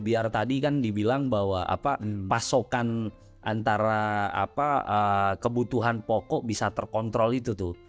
biar tadi kan dibilang bahwa pasokan antara kebutuhan pokok bisa terkontrol itu tuh